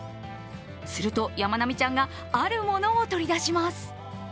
すると、やまなみちゃんがあるものを取り出します。